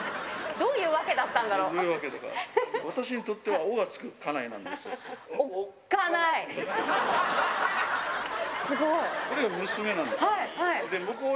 どういう訳だったんだろう？